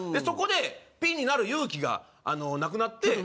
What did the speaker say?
そこでピンになる勇気がなくなって。